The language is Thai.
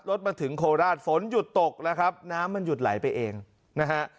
มาถึงโคราชฝนหยุดตกแล้วครับน้ำมันหยุดไหลไปเองนะฮะ